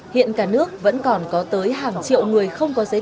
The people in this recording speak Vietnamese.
hiện cả nước vẫn còn có tới hàng triệu người không có giấy